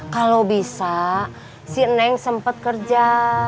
kalau bisa si neng sempat kerja